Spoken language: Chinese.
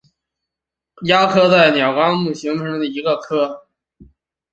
鸦科在是鸟纲雀形目中的一个科。